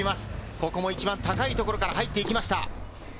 ここも一番高いところから入っていきました。